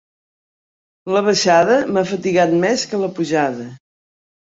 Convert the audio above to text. La baixada m'ha fatigat més que la pujada.